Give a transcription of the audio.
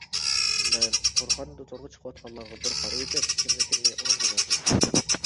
مەن تورخانىدا تورغا چىقىۋاتقانلارغا بىر قارىۋېتىپ كىملىكىمنى ئۇنىڭغا بەردىم.